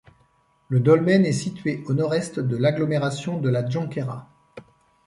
Le dolmen est situé au nord-est de l'agglomération de La Jonquera.